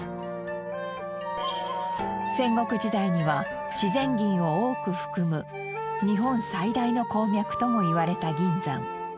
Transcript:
戦国時代には自然銀を多く含む日本最大の鉱脈ともいわれた銀山。